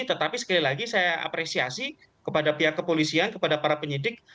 tetapi sekali lagi saya apresiasi kepada pihak kepolisian kepada para penyidik